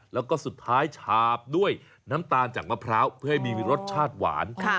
แล้วก็สุดท้ายชาบด้วยน้ำตาลจากมะพร้าวเพื่อให้มีรสชาติหวาน